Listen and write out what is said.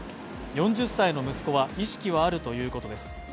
４０歳の息子は意識はあるということです。